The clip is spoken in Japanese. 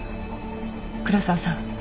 倉沢さん。